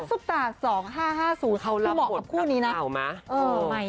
ซุปตา๒๕๕๐เพื่อเหมาะกับคู่นี้นะฮะเขารับบทกับข่าวมั้ย